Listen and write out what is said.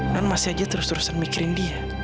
non masih aja terus terusan mikirin dia